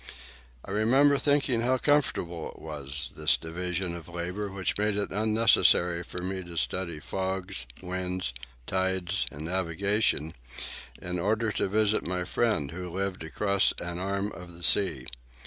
I remember thinking how comfortable it was, this division of labour which made it unnecessary for me to study fogs, winds, tides, and navigation, in order to visit my friend who lived across an arm of the sea.